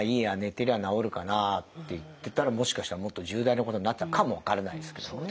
てりゃ治るかなっていってたらもしかしたらもっと重大なことになってたかもわからないですけどもね。